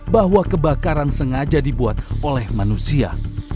bahwa kebakaran sengaja dibuat oleh manusia